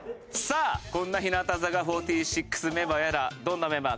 「こんな日向坂４６メンバーは嫌だどんなメンバー？」